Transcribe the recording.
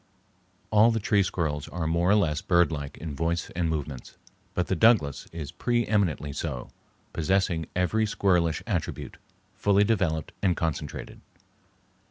All the tree squirrels are more or less birdlike in voice and movements, but the Douglas is pre eminently so, possessing every squirrelish attribute, fully developed and concentrated.